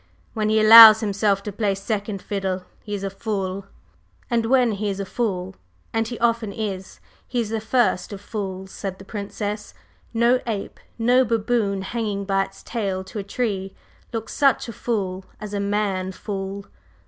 When he allows himself to play second fiddle, he is a fool!" "And when he is a fool and he often is he is the first of fools!" said the Princess. "No ape no baboon hanging by its tail to a tree looks such a fool as a man fool.